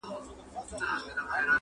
چي فارغ به یې کړ مړی له کفنه!!